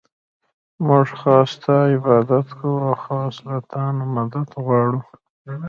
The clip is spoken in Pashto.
مونږ خاص ستا عبادت كوو او خاص له تا نه مدد غواړو.